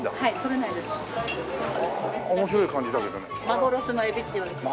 幻のエビっていわれてます。